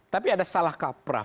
tapi ada salah kaprah